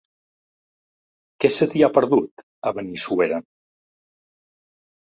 Què se t'hi ha perdut, a Benissuera?